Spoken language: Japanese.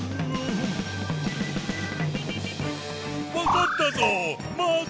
わかったぞ！